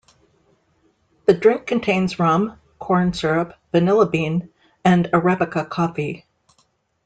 The drink contains rum, corn syrup, vanilla bean, and Arabica coffee.